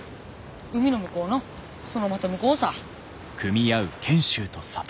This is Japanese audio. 海の向こうのそのまた向こうさ。